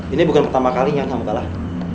ini bukan pertama kalinya sama kalah